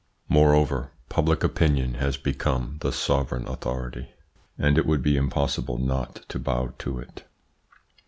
Moreover public opinion has become the sovereign authority, and it would be impossible not to bow to it.